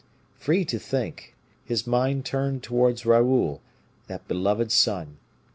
Free to think, his mind turned towards Raoul, that beloved son.